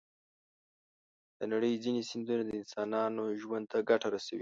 د نړۍ ځینې سیندونه د انسانانو ژوند ته ګټه رسوي.